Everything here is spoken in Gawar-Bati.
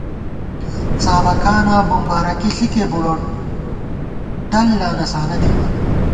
څابَکانہ بُمبارَکی ݪِکے بُڑوت ڈل لانہ سانہ تھِمان